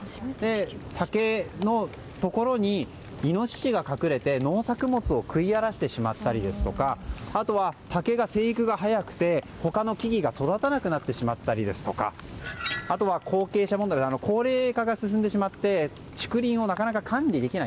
竹のところにイノシシが隠れて農作物を食い荒らしてしまったりですとかあとは、竹の生育が早くて他の木々が育たなくなってしまったりあとは後継者問題で高齢化が進んでしまって竹林をなかなか管理できない。